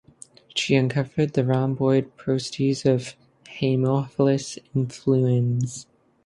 She uncovered the rhomboid protease of Haemophilus influenzae.